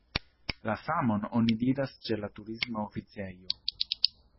La samon oni diras ĉe la Turisma Oficejo.